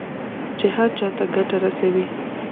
چې هر چا ته ګټه رسوي.